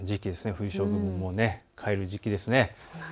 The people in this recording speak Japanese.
冬将軍が帰る時期ですね。